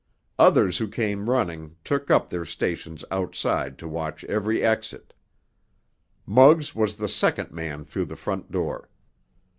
Others who came running took up their stations outside to watch every exit. Muggs was the second man through the front door.